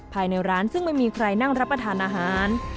ภายในร้านซึ่งไม่มีใครนั่งรับประทานอาหาร